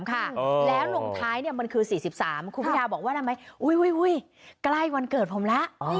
แล้วลงท้ายมันคือ๔๓คุณพิทาบอกว่าทำไมใกล้วันเกิดผมแล้ว